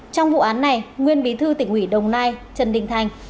trong vụ án này nguyên bí thư tỉnh ủy đồng nai trần đình thành